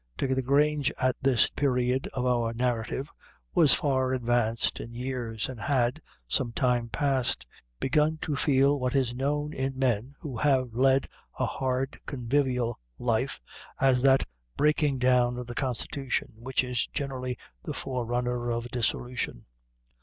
Dick o' the Grange, at this period of our narrative, was far advanced in years, and had, some time past, begun to feel what is known in men who have led a hard convivial life, as that breaking down of the constitution, which is generally the forerunner of dissolution.